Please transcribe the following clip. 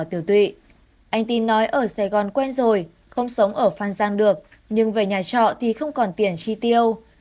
anh tin nói ở sài gòn quen rồi không sống ở phan giang được nhưng về nhà trọ thì không còn tiền chi tiêu